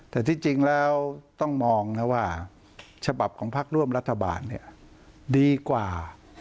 แต่ที่จริงแล้วต้องมองนะว่าฉบับของพักร่วมรัฐบาลดีกว่า